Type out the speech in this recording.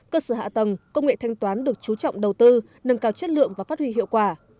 cơ sở hạ tầng công nghệ thanh toán được chú trọng đầu tư nâng cao chất lượng và phát huy hiệu quả